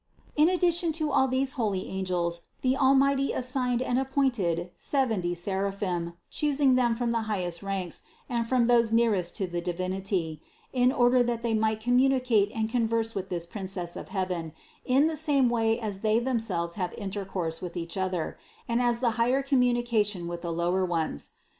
203. In addition to all these holy angels the Almighty assigned and appointed seventy seraphim, choosing them from the highest ranks and from those nearest to the Divinity, in order that they might communicate and converse with this Princess of heaven in the same way as they themselves have intercourse with each other, and as the higher communicate with the lower ones.